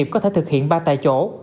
có thể thực hiện ba tại chỗ